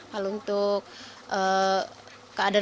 kalau untuk keadilan